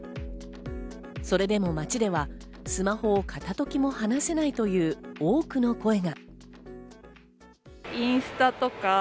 それでも街ではスマホを片時も話せないという多くの声が。